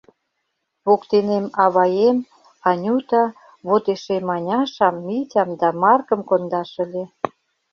— Воктенем аваем, Анюта, вот эше Маняшам, Митям да Маркым кондаш ыле.